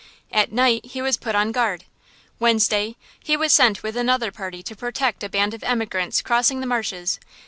At night he was put on guard. "Wednesday he was sent with another party to protect a band of emigrants crossing the marshes.